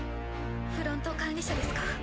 フロント管理社ですか？